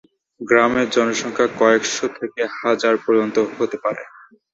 গ্রামের জনসংখ্যা কয়েকশো থেকে হাজার পর্যন্ত হতে পারে।